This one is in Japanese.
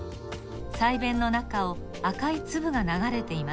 鰓弁の中を赤いつぶがながれています。